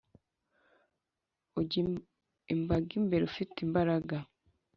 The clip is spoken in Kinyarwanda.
ujya imbaga imbere ufite imbaraga